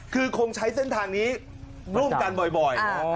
คือคงใช้เส้นทางนี้ร่วมกันบ่อย